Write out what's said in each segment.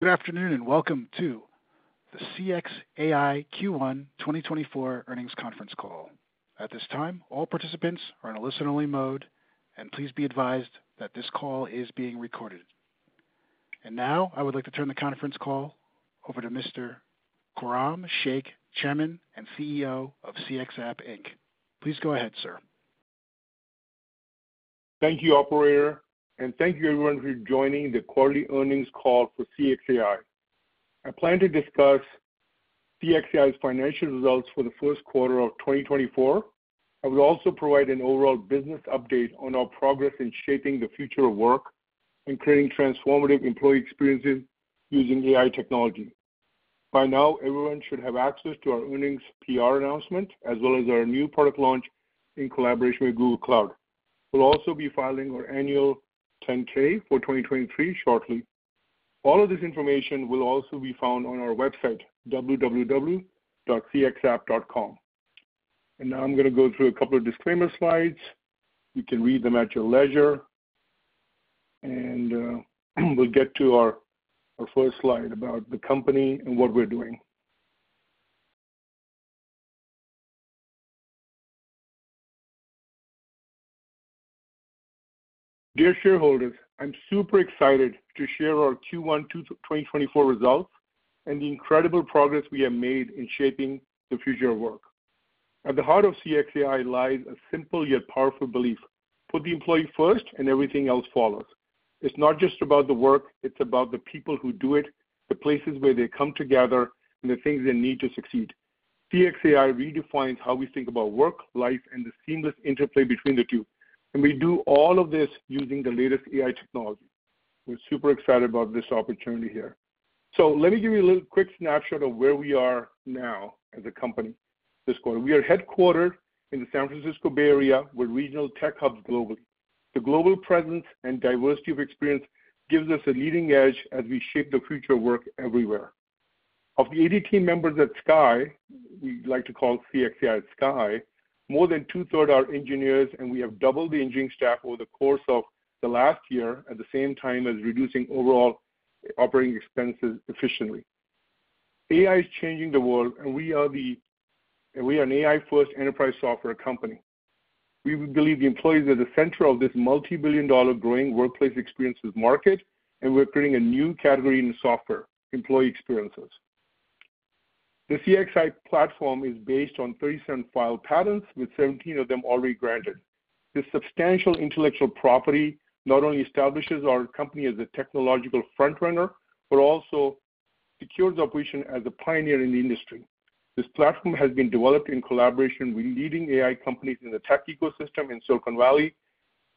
Good afternoon, and welcome to the CXAI Q1 2024 Earnings Conference Call. At this time, all participants are in a listen-only mode, and please be advised that this call is being recorded. Now, I would like to turn the conference call over to Mr. Khurram Sheikh, Chairman and CEO of CXAI Inc. Please go ahead, sir. Thank you, operator, and thank you everyone for joining the quarterly earnings call for CXAI. I plan to discuss CXAI's financial results for the first quarter of 2024. I will also provide an overall business update on our progress in shaping the future of work and creating transformative employee experiences using AI technology. By now, everyone should have access to our earnings PR announcement, as well as our new product launch in collaboration with Google Cloud. We'll also be filing our annual 10-K for 2023 shortly. All of this information will also be found on our website, www.cxapp.com. Now I'm gonna go through a couple of disclaimer slides. You can read them at your leisure. We'll get to our first slide about the company and what we're doing. Dear shareholders, I'm super excited to share our Q1 2024 results and the incredible progress we have made in shaping the future of work. At the heart of CXAI lies a simple yet powerful belief: put the employee first and everything else follows. It's not just about the work; it's about the people who do it, the places where they come together, and the things they need to succeed. CXAI redefines how we think about work, life, and the seamless interplay between the two. And we do all of this using the latest AI technology. We're super excited about this opportunity here. So let me give you a little quick snapshot of where we are now as a company this quarter. We are headquartered in the San Francisco Bay Area, with regional tech hubs globally. The global presence and diversity of experience gives us a leading edge as we shape the future of work everywhere. Of the 80 team members at Sky, we like to call CXAI Sky, more than two-thirds are engineers, and we have doubled the engineering staff over the course of the last year, at the same time as reducing overall operating expenses efficiently. AI is changing the world, and we are an AI-first enterprise software company. We believe the employees are the center of this multi-billion-dollar growing workplace experiences market, and we're creating a new category in software, employee experiences. The CXAI platform is based on 37 filed patents, with 17 of them already granted. This substantial intellectual property not only establishes our company as a technological front-runner, but also secures our position as a pioneer in the industry. This platform has been developed in collaboration with leading AI companies in the tech ecosystem in Silicon Valley,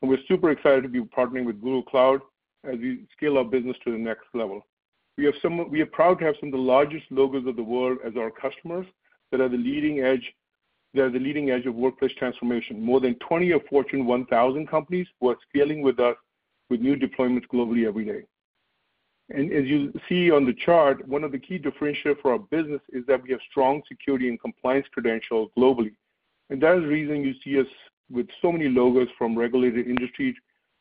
and we're super excited to be partnering with Google Cloud as we scale our business to the next level. We are proud to have some of the largest logos of the world as our customers. They are the leading edge of workplace transformation. More than 20 of Fortune 1000 companies who are scaling with us with new deployments globally every day. As you see on the chart, one of the key differentiator for our business is that we have strong security and compliance credentials globally. That is the reason you see us with so many logos from regulated industries.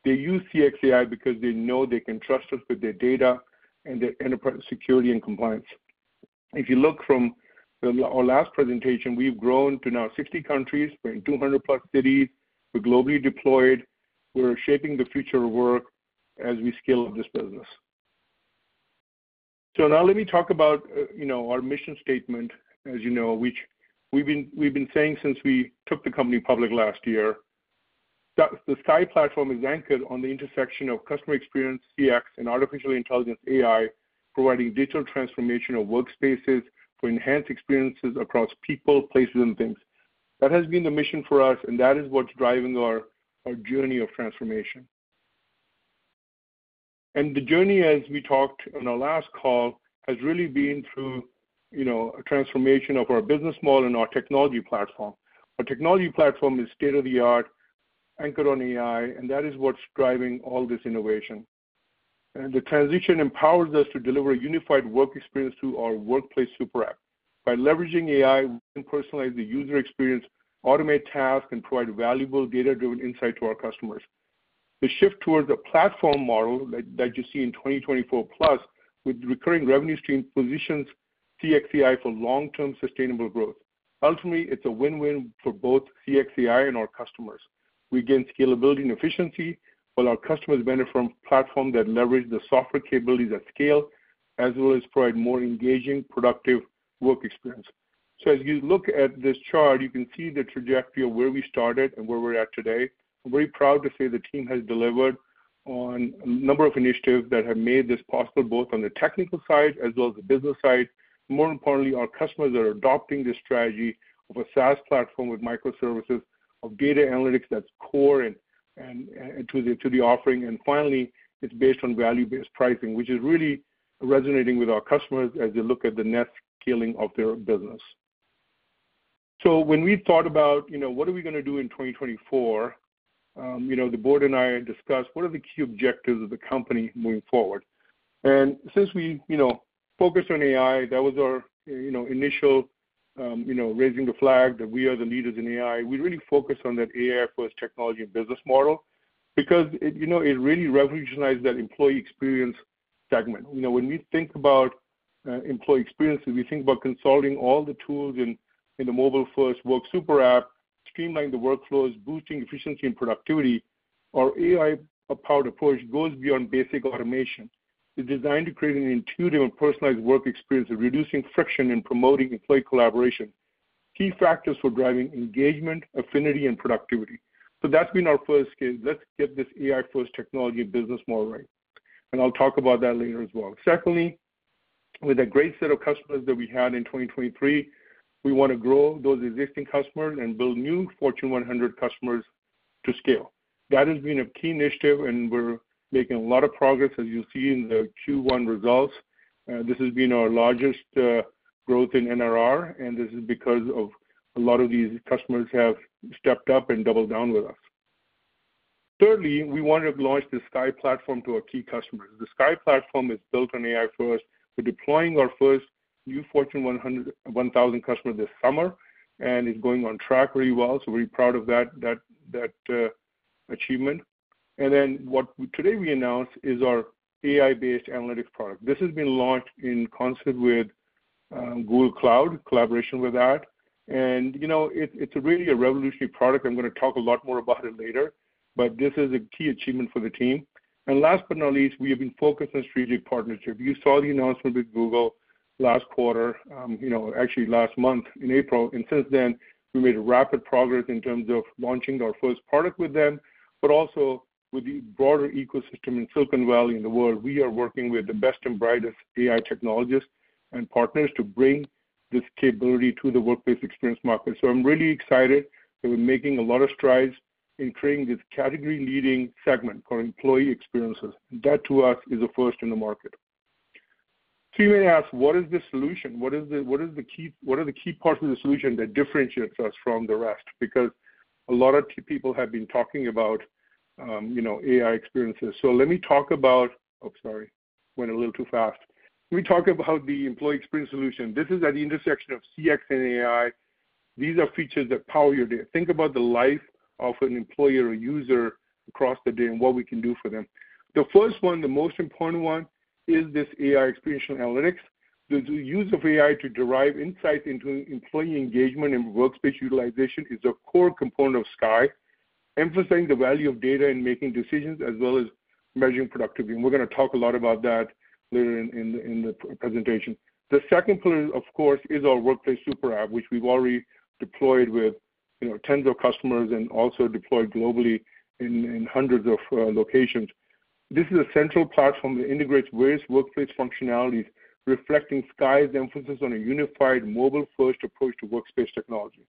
They use CXAI because they know they can trust us with their data and their enterprise security and compliance. If you look from our last presentation, we've grown to now 60 countries. We're in 200+ cities. We're globally deployed. We're shaping the future of work as we scale up this business. So now let me talk about, you know, our mission statement, as you know, which we've been, we've been saying since we took the company public last year. That the Sky Platform is anchored on the intersection of customer experience, CX, and artificial intelligence, AI, providing digital transformation of workspaces to enhance experiences across people, places, and things. That has been the mission for us, and that is what's driving our, our journey of transformation. And the journey, as we talked on our last call, has really been through, you know, a transformation of our business model and our technology platform. Our technology platform is state-of-the-art, anchored on AI, and that is what's driving all this innovation. The transition empowers us to deliver a unified work experience through our Workplace SuperApp. By leveraging AI, we can personalize the user experience, automate tasks, and provide valuable data-driven insight to our customers. The shift towards a platform model that you see in 2024+, with recurring revenue stream, positions CXAI for long-term sustainable growth. Ultimately, it's a win-win for both CXAI and our customers. We gain scalability and efficiency, while our customers benefit from a platform that leverages the software capabilities at scale, as well as provide more engaging, productive work experience. So as you look at this chart, you can see the trajectory of where we started and where we're at today. I'm very proud to say the team has delivered on a number of initiatives that have made this possible, both on the technical side as well as the business side. More importantly, our customers are adopting this strategy of a SaaS platform with microservices, of data analytics that's core and to the offering. And finally, it's based on value-based pricing, which is really resonating with our customers as they look at the net scaling of their business. So when we thought about, you know, what are we gonna do in 2024, you know, the board and I discussed what are the key objectives of the company moving forward? And since we, you know, focused on AI, that was our, you know, initial, you know, raising the flag that we are the leaders in AI. We really focus on that AI-first technology and business model. Because it, you know, it really revolutionized that employee experience segment. You know, when we think about employee experiences, we think about consolidating all the tools in the mobile-first work super app, streamlining the workflows, boosting efficiency and productivity. Our AI-powered approach goes beyond basic automation. It's designed to create an intuitive and personalized work experience of reducing friction and promoting employee collaboration, key factors for driving engagement, affinity, and productivity. So that's been our first case. Let's get this AI-first technology business model right, and I'll talk about that later as well. Secondly, with a great set of customers that we had in 2023, we wanna grow those existing customers and build new Fortune 100 customers to scale. That has been a key initiative, and we're making a lot of progress, as you'll see in the Q1 results. This has been our largest growth in NRR, and this is because a lot of these customers have stepped up and doubled down with us. Thirdly, we wanted to launch the Sky Platform to our key customers. The Sky Platform is built on AI first. We're deploying our first new Fortune 1000 customer this summer, and it's going on track really well, so we're proud of that achievement. And then what today we announced is our AI-based analytics product. This has been launched in concert with Google Cloud, collaboration with that. And, you know, it, it's really a revolutionary product. I'm gonna talk a lot more about it later, but this is a key achievement for the team. Last but not least, we have been focused on strategic partnership. You saw the announcement with Google last quarter, you know, actually last month in April, and since then, we made rapid progress in terms of launching our first product with them, but also with the broader ecosystem in Silicon Valley and the world. We are working with the best and brightest AI technologists and partners to bring this capability to the workplace experience market. So I'm really excited that we're making a lot of strides in creating this category-leading segment for employee experiences. That, to us, is a first in the market. So you may ask, what is the solution? What is the key... What are the key parts of the solution that differentiates us from the rest? Because a lot of key people have been talking about, you know, AI experiences. So let me talk about... Oh, sorry, went a little too fast. Let me talk about the employee experience solution. This is at the intersection of CX and AI. These are features that power your day. Think about the life of an employee or user across the day and what we can do for them. The first one, the most important one, is this AI experiential analytics. The use of AI to derive insights into employee engagement and workspace utilization is a core component of Sky, emphasizing the value of data in making decisions as well as measuring productivity, and we're gonna talk a lot about that later in the presentation. The second pillar, of course, is our Workplace SuperApp, which we've already deployed with, you know, tens of customers and also deployed globally in hundreds of locations. This is a central platform that integrates various workplace functionalities, reflecting Sky's emphasis on a unified, mobile-first approach to workspace technology.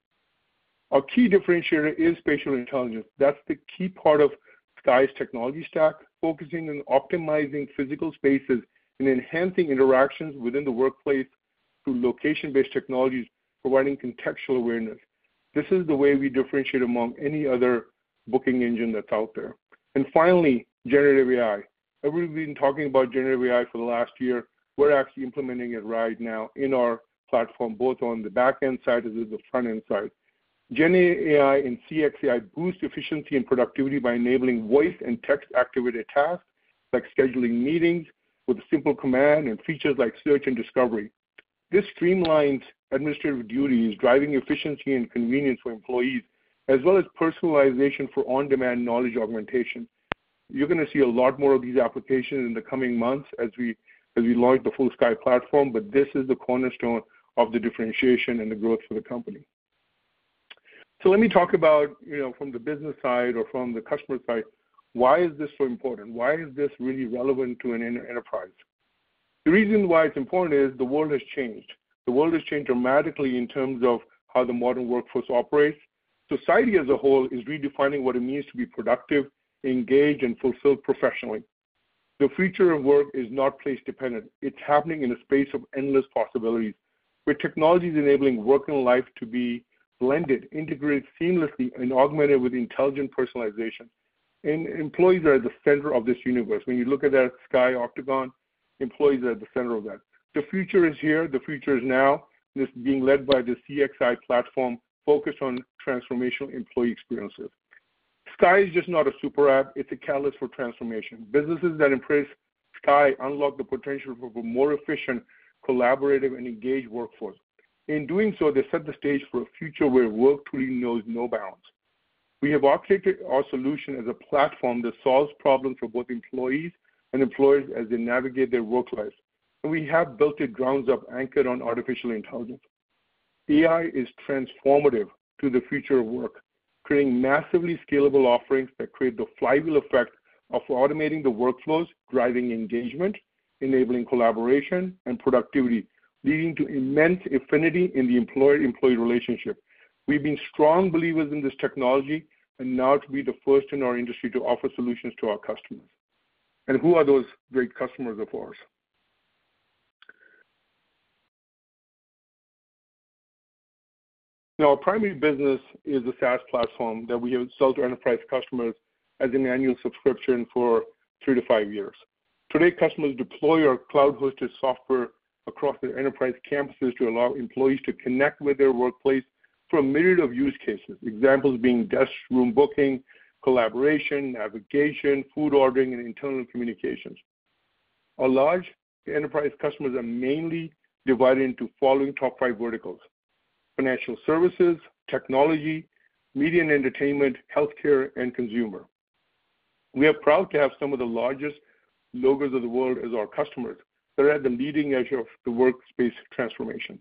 Our key differentiator is Spatial Intelligence. That's the key part of Sky's technology stack, focusing on optimizing physical spaces and enhancing interactions within the workplace through location-based technologies, providing contextual awareness. This is the way we differentiate among any other booking engine that's out there. And finally, generative AI. Everyone's been talking about generative AI for the last year. We're actually implementing it right now in our platform, both on the back-end side as well as the front-end side. Gen AI and CXAI boost efficiency and productivity by enabling voice and text-activated tasks, like scheduling meetings with a simple command and features like search and discovery. This streamlines administrative duties, driving efficiency and convenience for employees, as well as personalization for on-demand knowledge augmentation. You're gonna see a lot more of these applications in the coming months as we launch the full Sky Platform, but this is the cornerstone of the differentiation and the growth for the company. So let me talk about, you know, from the business side or from the customer side, why is this so important? Why is this really relevant to an enterprise? The reason why it's important is the world has changed. The world has changed dramatically in terms of how the modern workforce operates. Society as a whole is redefining what it means to be productive, engaged, and fulfilled professionally. The future of work is not place-dependent. It's happening in a space of endless possibilities, where technology is enabling work and life to be blended, integrated seamlessly, and augmented with intelligent personalization. And employees are at the center of this universe. When you look at that Sky Octagon, employees are at the center of that. The future is here. The future is now. This is being led by the CXAI platform, focused on transformational employee experiences. Sky is not just a super app. It's a catalyst for transformation. Businesses that embrace Sky unlock the potential for a more efficient, collaborative, and engaged workforce. In doing so, they set the stage for a future where work truly knows no bounds. We have architected our solution as a platform that solves problems for both employees and employers as they navigate their work lives, and we have built it grounds up anchored on artificial intelligence. AI is transformative to the future of work, creating massively scalable offerings that create the flywheel effect of automating the workflows, driving engagement, enabling collaboration and productivity, leading to immense affinity in the employer-employee relationship. We've been strong believers in this technology and now, to be the first in our industry to offer solutions to our customers. Who are those great customers of ours? Now, our primary business is a SaaS platform that we have sold to enterprise customers as an annual subscription for 3-5 years. Today, customers deploy our cloud-hosted software across their enterprise campuses to allow employees to connect with their workplace for a myriad of use cases. Examples being desk room booking, collaboration, navigation, food ordering, and internal communications. Our large enterprise customers are mainly divided into following top five verticals: financial services, technology, media and entertainment, healthcare, and consumer. We are proud to have some of the largest logos of the world as our customers. They're at the leading edge of the workspace transformation.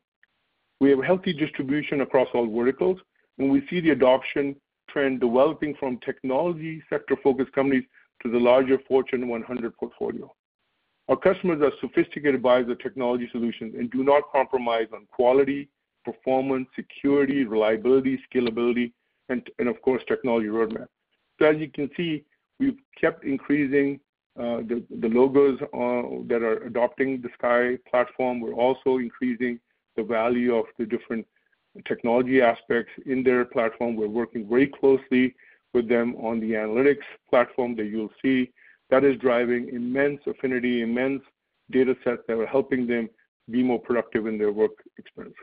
We have a healthy distribution across all verticals, and we see the adoption trend developing from technology sector-focused companies to the larger Fortune 100 portfolio. Our customers are sophisticated buyers of technology solutions and do not compromise on quality, performance, security, reliability, scalability, and, and of course, technology roadmap. So as you can see, we've kept increasing the logos that are adopting the Sky Platform. We're also increasing the value of the different technology aspects in their platform. We're working very closely with them on the analytics platform that you'll see. That is driving immense affinity, immense data sets that are helping them be more productive in their work experience.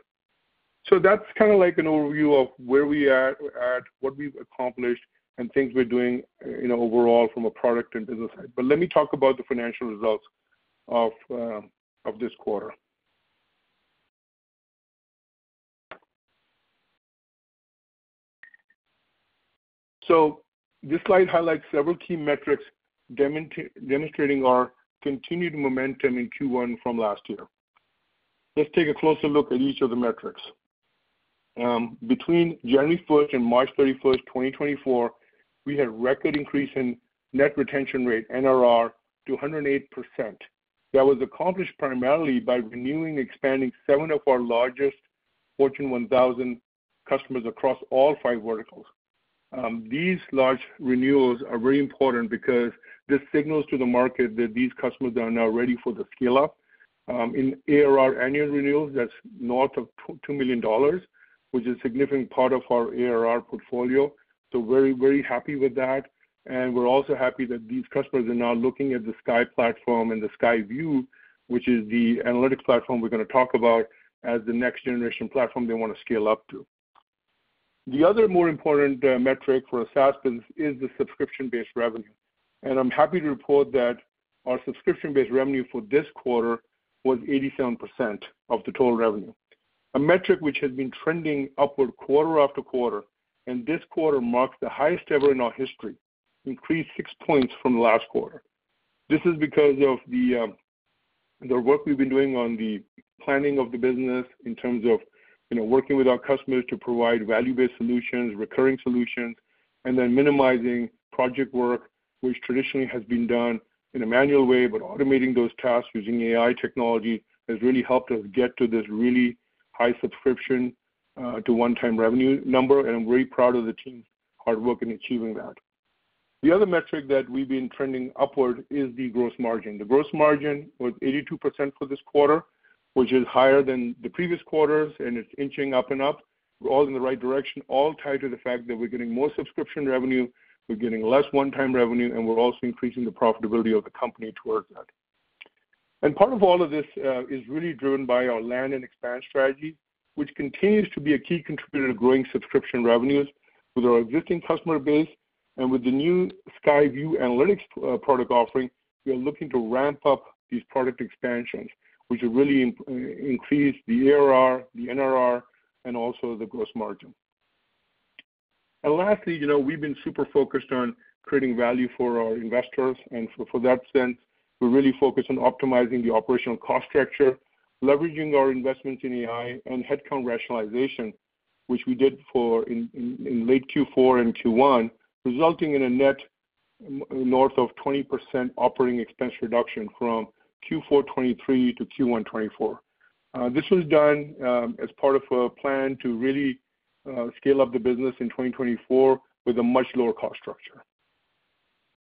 So that's kind of like an overview of where we at, what we've accomplished and things we're doing, you know, overall from a product and business side. Let me talk about the financial results of this quarter. This slide highlights several key metrics demonstrating our continued momentum in Q1 from last year. Let's take a closer look at each of the metrics. Between January 1st and March 31st, 2024, we had record increase in net retention rate, NRR, to 108%. That was accomplished primarily by renewing, expanding seven of our largest Fortune 1000 customers across all five verticals. These large renewals are very important because this signals to the market that these customers are now ready for the scale up in ARR annual renewals. That's north of $2 million, which is a significant part of our ARR portfolio. So very, very happy with that, and we're also happy that these customers are now looking at the Sky Platform and the SkyView, which is the analytics platform we're gonna talk about, as the next generation platform they wanna scale up to. The other more important metric for SaaS is the subscription-based revenue. And I'm happy to report that our subscription-based revenue for this quarter was 87% of the total revenue, a metric which has been trending upward quarter after quarter, and this quarter marks the highest ever in our history, increased 6 points from last quarter. This is because of the, the work we've been doing on the planning of the business in terms of, you know, working with our customers to provide value-based solutions, recurring solutions, and then minimizing project work, which traditionally has been done in a manual way, but automating those tasks using AI technology has really helped us get to this really high subscription, to one-time revenue number, and I'm very proud of the team's hard work in achieving that. The other metric that we've been trending upward is the gross margin. The gross margin was 82% for this quarter, which is higher than the previous quarters, and it's inching up and up. We're all in the right direction, all tied to the fact that we're getting more subscription revenue, we're getting less one-time revenue, and we're also increasing the profitability of the company towards that. Part of all of this is really driven by our land and expand strategy, which continues to be a key contributor to growing subscription revenues with our existing customer base. With the new SkyView analytics product offering, we are looking to ramp up these product expansions, which will really increase the ARR, the NRR, and also the gross margin. Lastly, you know, we've been super focused on creating value for our investors. In that sense, we're really focused on optimizing the operational cost structure, leveraging our investments in AI and headcount rationalization, which we did in late Q4 and Q1, resulting in a net north of 20% operating expense reduction from Q4 2023 to Q1 2024. This was done as part of a plan to really scale up the business in 2024 with a much lower cost structure.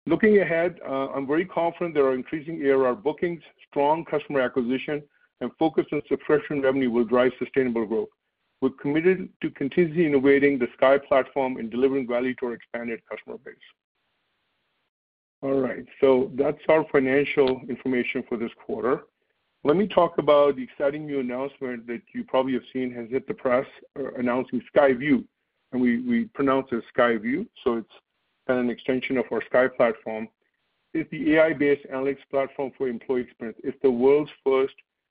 Looking ahead, I'm very confident that our increasing ARR bookings, strong customer acquisition, and focus on subscription revenue will drive sustainable growth. We're committed to continuously innovating the Sky Platform and delivering value to our expanded customer base. All right, so that's our financial information for this quarter. Let me talk about the exciting new announcement that you probably have seen, has hit the press, announcing Sky View, and we, we pronounce it Sky View, so it's an extension of our Sky Platform. It's the AI-based analytics platform for employee experience. It's the world's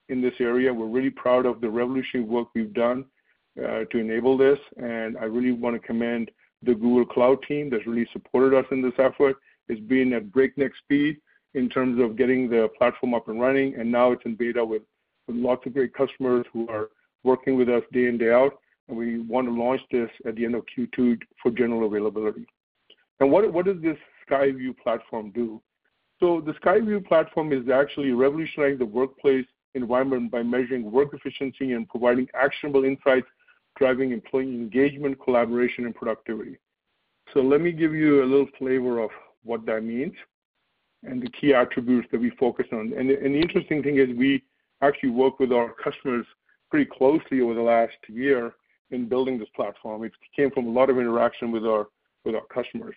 first in this area. We're really proud of the revolutionary work we've done to enable this, and I really wanna commend the Google Cloud team that's really supported us in this effort. It's been at breakneck speed in terms of getting the platform up and running, and now it's in beta with lots of great customers who are working with us day in, day out, and we want to launch this at the end of Q2 for general availability. And what does this SkyView platform do? So the SkyView platform is actually revolutionizing the workplace environment by measuring work efficiency and providing actionable insights, driving employee engagement, collaboration, and productivity. So let me give you a little flavor of what that means and the key attributes that we focus on. And the interesting thing is, we actually work with our customers... Pretty closely over the last year in building this platform. It came from a lot of interaction with our, with our customers.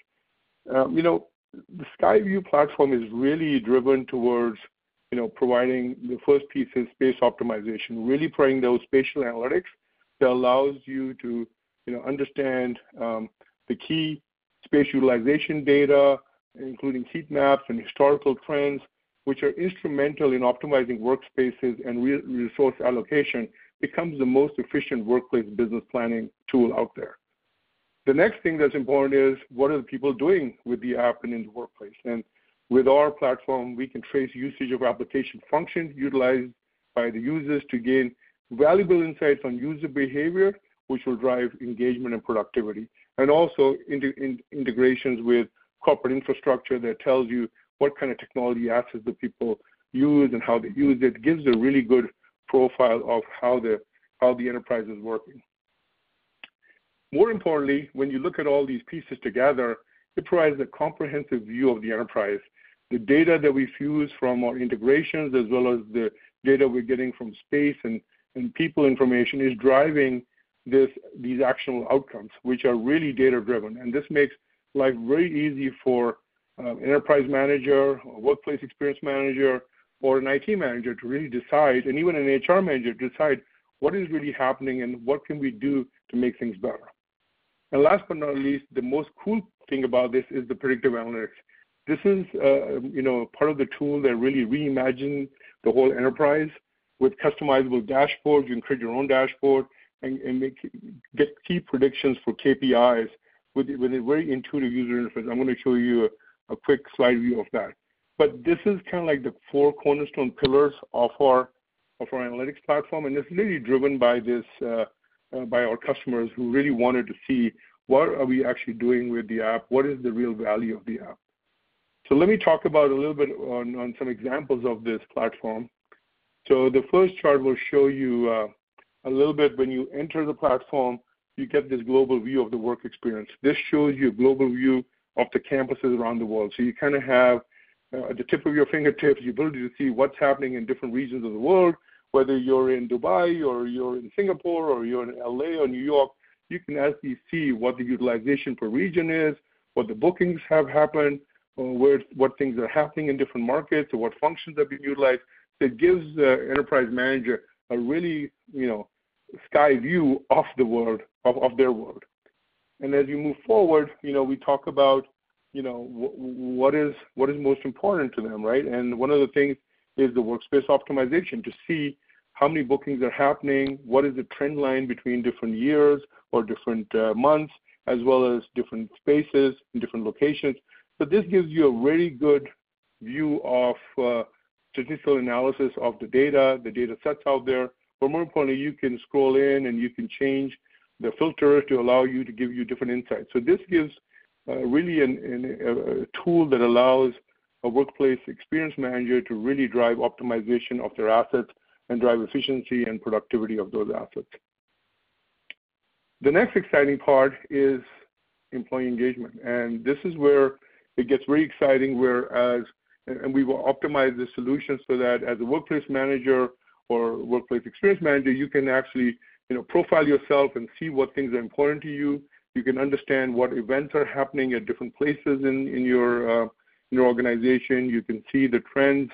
You know, the SkyView platform is really driven towards, you know, providing the first piece is space optimization, really providing those spatial analytics that allows you to, you know, understand the key space utilization data, including heat maps and historical trends, which are instrumental in optimizing workspaces and resource allocation, becomes the most efficient workplace business planning tool out there. The next thing that's important is, what are the people doing with the app and in the workplace? And with our platform, we can trace usage of application functions utilized by the users to gain valuable insights on user behavior, which will drive engagement and productivity. And also, integrations with corporate infrastructure that tells you what kind of technology assets the people use and how they use it, gives a really good profile of how the enterprise is working. More importantly, when you look at all these pieces together, it provides a comprehensive view of the enterprise. The data that we fuse from our integrations, as well as the data we're getting from space and people information, is driving these actual outcomes, which are really data-driven. And this makes life very easy for enterprise manager or workplace experience manager or an IT manager to really decide, and even an HR manager, to decide what is really happening and what can we do to make things better. And last but not least, the most cool thing about this is the predictive analytics. This is, you know, part of the tool that really reimagines the whole enterprise. With customizable dashboards, you can create your own dashboard and get key predictions for KPIs with a very intuitive user interface. I'm gonna show you a quick slide view of that. But this is kinda like the four cornerstone pillars of our analytics platform, and it's really driven by this, by our customers, who really wanted to see what are we actually doing with the app? What is the real value of the app? So let me talk about a little bit on some examples of this platform. So the first chart will show you a little bit. When you enter the platform, you get this global view of the work experience. This shows you a global view of the campuses around the world. So you kinda have, at the tip of your fingertips, the ability to see what's happening in different regions of the world. Whether you're in Dubai or you're in Singapore or you're in L.A. or New York, you can actually see what the utilization per region is, what the bookings have happened, what things are happening in different markets or what functions have been utilized. It gives the enterprise manager a really, you know, sky view of the world, of, of their world. And as you move forward, you know, we talk about, you know, what is, what is most important to them, right? And one of the things is the workspace optimization, to see how many bookings are happening, what is the trend line between different years or different months, as well as different spaces and different locations. So this gives you a very good view of statistical analysis of the data, the data sets out there. But more importantly, you can scroll in, and you can change the filter to allow you to give you different insights. So this gives really a tool that allows a workplace experience manager to really drive optimization of their assets and drive efficiency and productivity of those assets. The next exciting part is employee engagement, and this is where it gets very exciting, whereas... And we will optimize the solutions so that as a workplace manager or workplace experience manager, you can actually, you know, profile yourself and see what things are important to you. You can understand what events are happening at different places in your organization. You can see the trends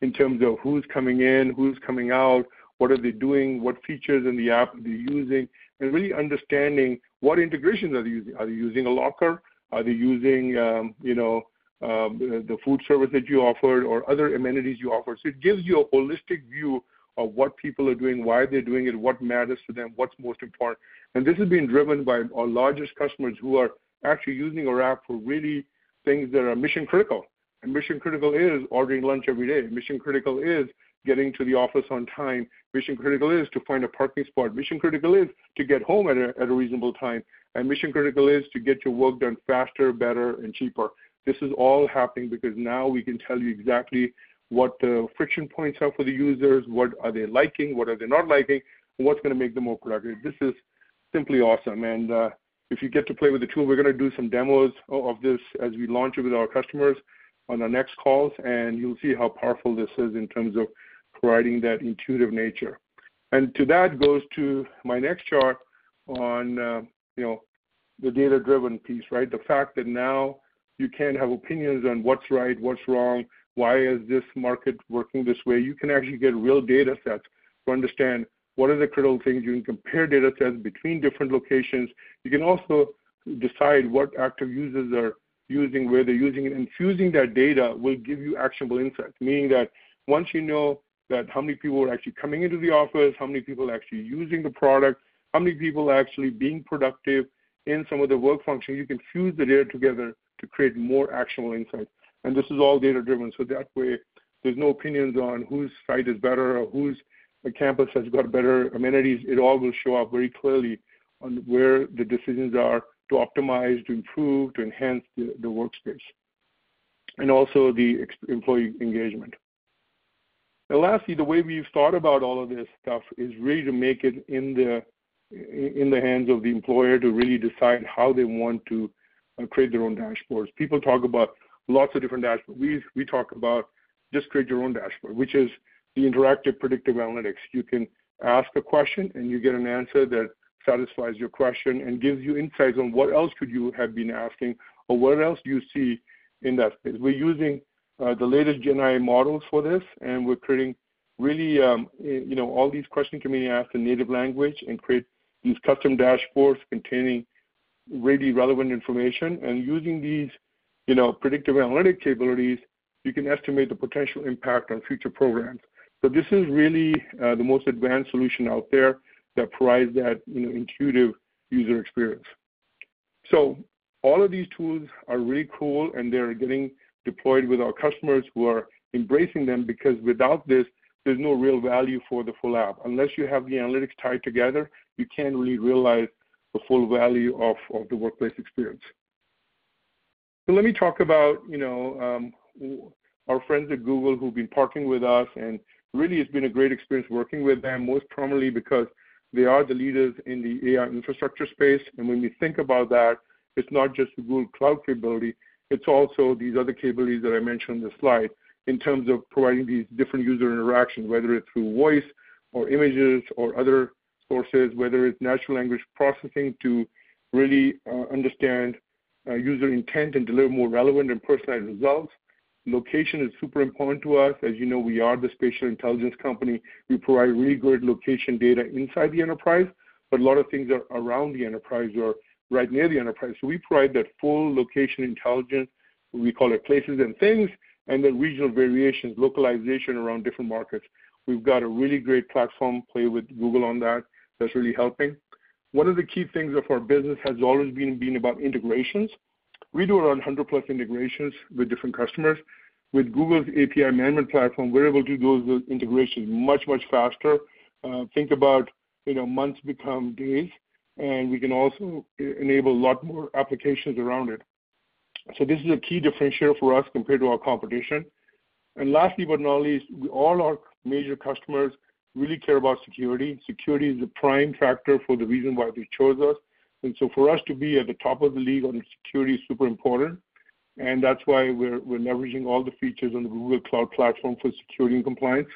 in terms of who's coming in, who's coming out, what are they doing, what features in the app they're using, and really understanding what integrations are they using. Are they using a locker? Are they using, you know, the food service that you offer or other amenities you offer? So it gives you a holistic view of what people are doing, why they're doing it, what matters to them, what's most important. And this is being driven by our largest customers, who are actually using our app for really things that are mission-critical. And mission-critical is ordering lunch every day. Mission critical is getting to the office on time. Mission critical is to find a parking spot. Mission critical is to get home at a reasonable time. And mission critical is to get your work done faster, better, and cheaper. This is all happening because now we can tell you exactly what the friction points are for the users, what are they liking, what are they not liking, what's gonna make them more productive. This is simply awesome. And, if you get to play with the tool, we're gonna do some demos of this as we launch it with our customers on our next calls, and you'll see how powerful this is in terms of providing that intuitive nature. And to that goes to my next chart on, you know, the data-driven piece, right? The fact that now you can't have opinions on what's right, what's wrong, why is this market working this way? You can actually get real data sets to understand what are the critical things. You can compare data sets between different locations. You can also decide what active users are using, where they're using it, and fusing that data will give you actionable insights. Meaning that once you know that how many people are actually coming into the office, how many people are actually using the product, how many people are actually being productive in some of the work functions, you can fuse the data together to create more actionable insights. And this is all data-driven, so that way, there's no opinions on whose site is better or whose campus has got better amenities. It all will show up very clearly on where the decisions are to optimize, to improve, to enhance the workspace, and also the employee engagement. And lastly, the way we've thought about all of this stuff is really to make it in the-... In the hands of the employer to really decide how they want to create their own dashboards. People talk about lots of different dashboards. We talk about just create your own dashboard, which is the interactive predictive analytics. You can ask a question, and you get an answer that satisfies your question and gives you insights on what else could you have been asking or what else do you see in that space. We're using the latest Gen AI models for this, and we're creating really, you know, all these questions can be asked in native language and create these custom dashboards containing really relevant information. And using these, you know, predictive analytic capabilities, you can estimate the potential impact on future programs. So this is really the most advanced solution out there that provides that, you know, intuitive user experience. So all of these tools are really cool, and they're getting deployed with our customers who are embracing them, because without this, there's no real value for the full app. Unless you have the analytics tied together, you can't really realize the full value of the workplace experience. So let me talk about, you know, our friends at Google who've been partnering with us, and really, it's been a great experience working with them, most prominently because they are the leaders in the AI infrastructure space. And when we think about that, it's not just Google Cloud capability, it's also these other capabilities that I mentioned in the slide, in terms of providing these different user interactions, whether it's through voice or images or other sources, whether it's natural language processing, to really understand user intent and deliver more relevant and personalized results. Location is super important to us. As you know, we are the spatial intelligence company. We provide really great location data inside the enterprise, but a lot of things are around the enterprise or right near the enterprise. So we provide that full location intelligence. We call it places and things, and the regional variations, localization around different markets. We've got a really great platform play with Google on that. That's really helping. One of the key things of our business has always been about integrations. We do around 100+ integrations with different customers. With Google's API management platform, we're able to do those integrations much, much faster. Think about, you know, months become days, and we can also enable a lot more applications around it. So this is a key differentiator for us compared to our competition. Lastly, but not least, all our major customers really care about security. Security is a prime factor for the reason why they chose us, and so for us to be at the top of the league on security is super important, and that's why we're leveraging all the features on the Google Cloud Platform for security and compliance.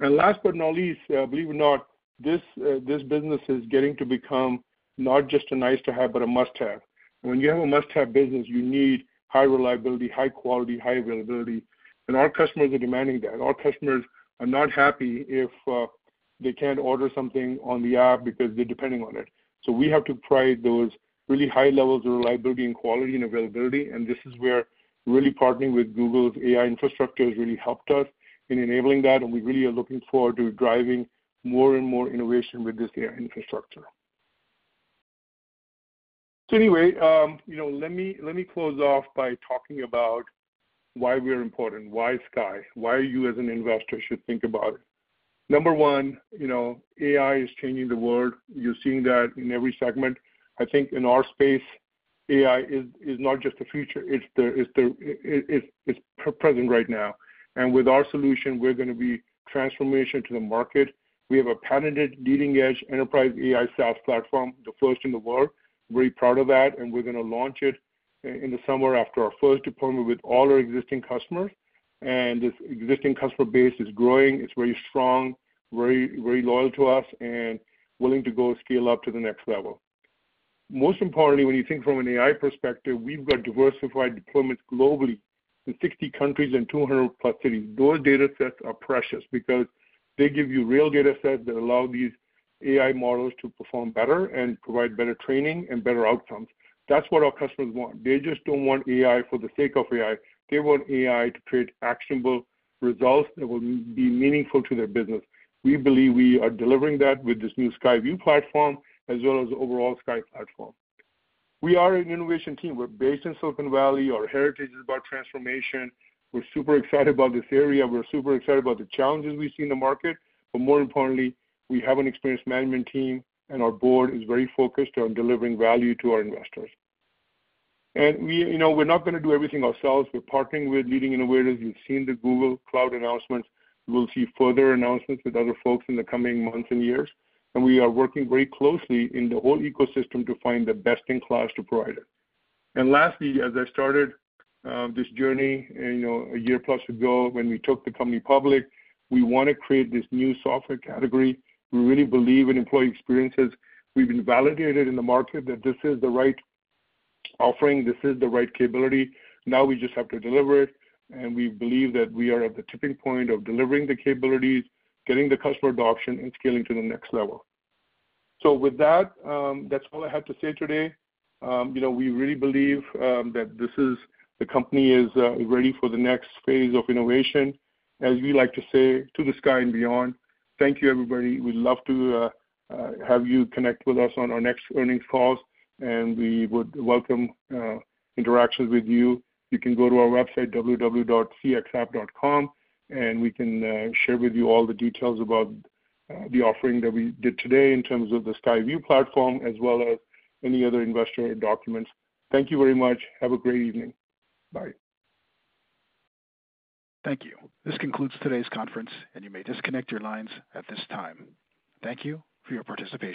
Last but not least, believe it or not, this business is getting to become not just a nice to have, but a must-have. When you have a must-have business, you need high reliability, high quality, high availability, and our customers are demanding that. Our customers are not happy if they can't order something on the app because they're depending on it. So we have to provide those really high levels of reliability and quality and availability, and this is where really partnering with Google's AI infrastructure has really helped us in enabling that, and we really are looking forward to driving more and more innovation with this AI infrastructure. So anyway, you know, let me close off by talking about why we are important, why Sky, why you, as an investor, should think about it. Number one, you know, AI is changing the world. You're seeing that in every segment. I think in our space, AI is not just the future, it's the present right now. And with our solution, we're gonna be transformation to the market. We have a patented leading-edge enterprise AI SaaS platform, the first in the world. Very proud of that, and we're gonna launch it in the summer after our first deployment with all our existing customers. This existing customer base is growing. It's very strong, very, very loyal to us and willing to go scale up to the next level. Most importantly, when you think from an AI perspective, we've got diversified deployments globally in 60 countries and 200+ cities. Those datasets are precious because they give you real datasets that allow these AI models to perform better and provide better training and better outcomes. That's what our customers want. They just don't want AI for the sake of AI, they want AI to create actionable results that will be meaningful to their business. We believe we are delivering that with this new SkyView platform, as well as the overall Sky Platform. We are an innovation team. We're based in Silicon Valley. Our heritage is about transformation. We're super excited about this area. We're super excited about the challenges we see in the market, but more importantly, we have an experienced management team, and our board is very focused on delivering value to our investors. And we... You know, we're not gonna do everything ourselves. We're partnering with leading innovators. You've seen the Google Cloud announcements. We'll see further announcements with other folks in the coming months and years, and we are working very closely in the whole ecosystem to find the best-in-class to provide it. And lastly, as I started, this journey, you know, a year-plus ago, when we took the company public, we want to create this new software category. We really believe in employee experiences. We've been validated in the market that this is the right offering, this is the right capability. Now we just have to deliver it, and we believe that we are at the tipping point of delivering the capabilities, getting the customer adoption, and scaling to the next level. So with that, that's all I have to say today. You know, we really believe that this is, the company is ready for the next phase of innovation. As we like to say, "To the sky and beyond." Thank you, everybody. We'd love to have you connect with us on our next earnings calls, and we would welcome interactions with you. You can go to our website, www.cxapp.com, and we can share with you all the details about the offering that we did today in terms of the SkyView platform, as well as any other investor documents. Thank you very much. Have a great evening. Bye. Thank you. This concludes today's conference, and you may disconnect your lines at this time. Thank you for your participation.